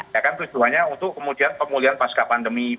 ya kan tujuannya untuk kemudian pemulihan pasca pandemi